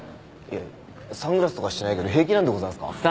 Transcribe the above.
サングラスとかしてないけど平気なんでございますか？